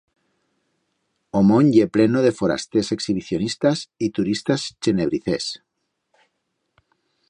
O mont ye pleno de forasters exhibicionistas y turistas chenebricers.